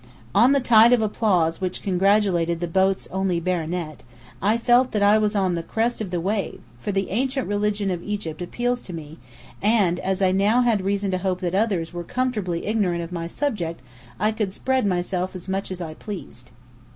On the tide of applause which congratulated the boat's only baronet, I rose. I felt that I was on the crest of the wave; for the ancient religion of Egypt appeals to me; and as I now had reason to hope that others were comfortably ignorant of my subject I could spread myself as much as I pleased.